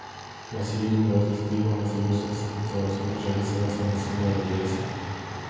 Así lo atestiguan las diversas excavaciones realizadas en la zona de la iglesia.